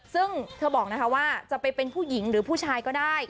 ซึ่งเธอบอกนะคะว่าจะไปเป็นผู้หญิงหรือผู้ชายก็ได้